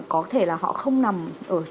có thể là họ không nằm ở xung quanh